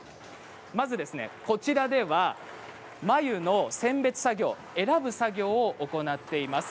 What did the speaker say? まず、こちらでは繭の選別作業選ぶ作業を行っています。